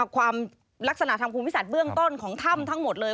ความลักษณะทางภูมิพิสัตเบื้องต้นของถ้ำทั้งหมดเลย